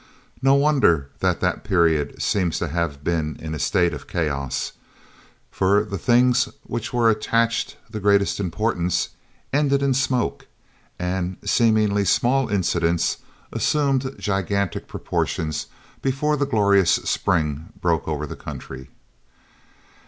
No wonder that that period seems to have been in a state of chaos, for the things to which we attached the greatest importance "ended in smoke," and seemingly small incidents assumed gigantic proportions before the glorious spring broke over the country.